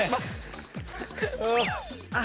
あっ！